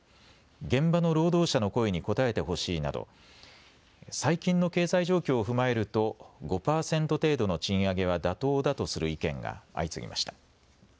現場の労働者の声に応えてほしいなど最近の経済状況を踏まえると５％程度の賃上げは妥当だとする意見が相次ぎました。